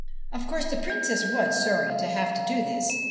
Of course the Princess was sorry to have to do this.